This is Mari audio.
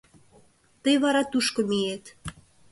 Тый вара тушко миет...